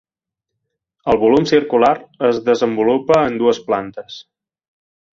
El volum circular es desenvolupa en dues plantes.